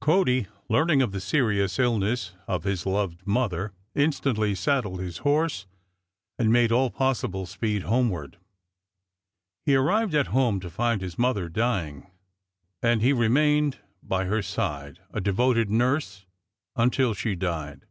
Cody learning of the serious illness of his loved mother instantly saddled his horse and made all possible speed homeward. He arrived at home to find his mother dying, and he remained by her side, a devoted nurse, until she died.